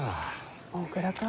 ぼんくらか。